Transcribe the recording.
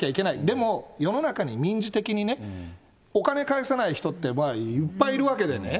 でも、世の中に民事的にお金返さない人って、いっぱいいるわけでね。